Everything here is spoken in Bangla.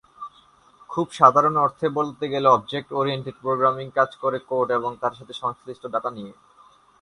খুব সাধারণ অর্থে বলতে গেলে, অবজেক্ট ওরিয়েন্টেড প্রোগ্রামিং কাজ করে কোড এবং তার সাথে সংশ্লিষ্ট ডাটা নিয়ে।